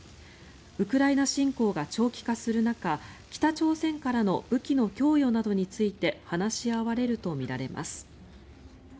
ウクライナ侵攻が長期化する中北朝鮮からの武器の供与などについて話し合われるとみられます。